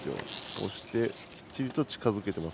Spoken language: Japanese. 押してきっちりと近づけています。